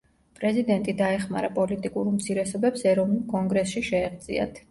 პრეზიდენტი დაეხმარა პოლიტიკურ უმცირესობებს ეროვნულ კონგრესში შეეღწიათ.